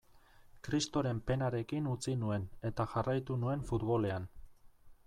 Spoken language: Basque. Kristoren penarekin utzi nuen, eta jarraitu nuen futbolean.